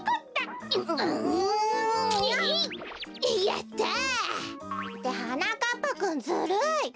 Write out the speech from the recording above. やった！ってはなかっぱくんずるい！